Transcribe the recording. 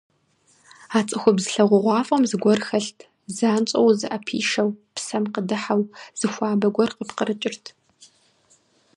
А цӀыхубз лъагъугъуафӀэм зыгуэр хэлът, занщӀэу узыӀэпишэу, псэм къыдыхьэу зы хуабэ гуэр къыпкърыкӀырт.